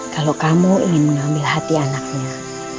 kalau kamu ingin mengambil hati anaknya